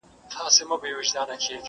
سر تر نوکه لا خولې پر بهېدلې!!